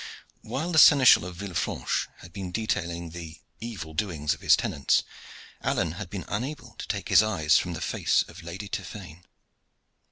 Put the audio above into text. Whilst the Seneschal of Villefranche had been detailing the evil doings of his tenants, Alleyne had been unable to take his eyes from the face of Lady Tiphaine.